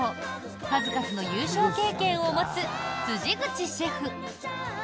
数々の優勝経験を持つ辻口シェフ。